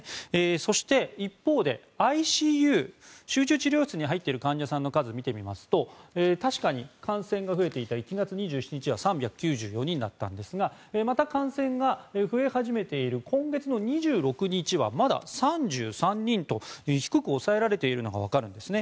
そして、一方でＩＣＵ・集中治療室に入っている患者さんの数を見てみますと確かに感染が増えていた１月２７日は３９４人だったんですがまた感染が増え始めている今月の２６日はまだ３３人と低く抑えられているのがわかるんですね。